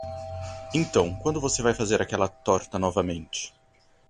Então, quando você vai fazer aquela torta novamente?